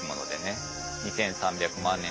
２，３００万年